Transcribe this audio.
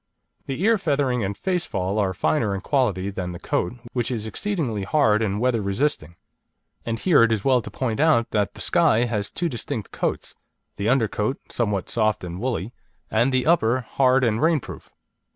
The ear feathering and face fall are finer in quality than the coat, which is exceedingly hard and weather resisting. And here it is well to point out that the Skye has two distinct coats: the under coat, somewhat soft and woolly, and the upper, hard and rain proof.